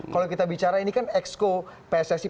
kalau kita bicara ini kan ex co pssi pak jamal